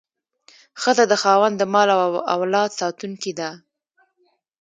ښځه د خاوند د مال او اولاد ساتونکې ده.